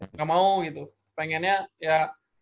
nggak mau gitu pengennya ya